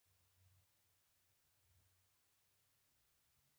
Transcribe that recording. نه له دې ورهاخوا، له بري پرته بل څه نشته.